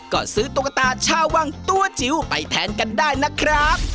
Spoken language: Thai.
ก็ซื้อตุ๊กตาชาววังตัวจิ๋วไปแทนกันได้นะครับ